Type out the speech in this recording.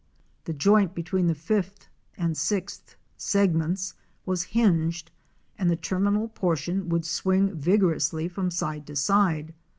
The joint between the fifth and sixth segments was hinged and the terminal portion would swing vigorously from side to side.